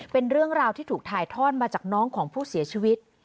เป็นเรื่องราวที่ถูกถ่ายทอดมาจากน้องของผู้เสียชีวิต